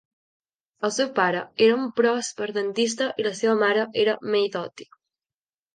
El seu pare era un pròsper dentista i la seva mare era May Doty.